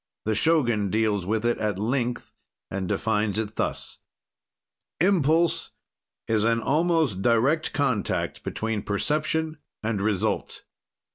The Shogun deals with it at length and defines it thus: "Impulse is an almost direct contact between perception and result.